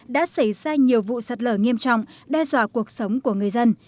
đã xảy ra nhiều vụ sạt lở nghiêm trọng đe dọa cuộc sống của người dân